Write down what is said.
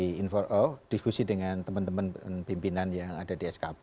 di info diskusi dengan teman teman pimpinan yang ada di skb